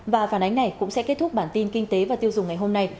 và phản ánh này cũng sẽ kết thúc bản tin kinh tế và tiêu dùng ngày hôm nay